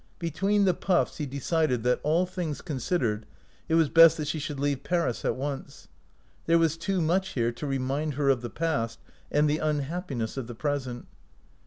Between the puffs he decided that, all things considered, it was best that she should leave Paris at once. There was too much here to remind her of the past and the unhappiness of the present.